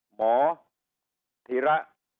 หมอธีระ